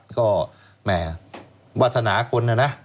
ก็แหมวัฒนาคนนะ